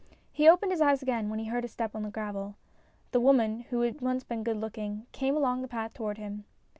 He opened his eyes again as he heard a step on the gravel. The woman, who had once been good looking, came along the path towards him.